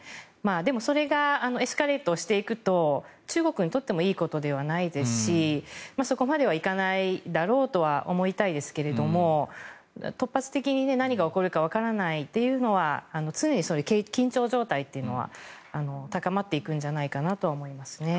でもそれがエスカレートしていくと中国にとってもいいことではないですしそこまでは行かないだろうとは思いたいですけど突発的に何が起こるかわからないというのは常に緊張状態というのは高まっていくんじゃないかなと思います。